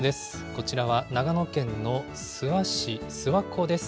こちらは長野県の諏訪市、諏訪湖です。